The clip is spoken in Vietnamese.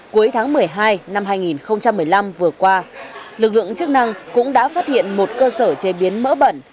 cuối tháng một mươi hai năm hai nghìn một mươi năm vừa qua lực lượng chức năng cũng đã phát hiện một cơ sở chế biến mỡ bẩn